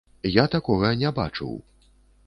Я такога не бачыў.